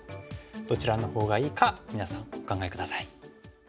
どちらのほうがいいか皆さんお考え下さい。